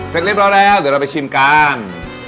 เรียบร้อยแล้วเดี๋ยวเราไปชิมกัน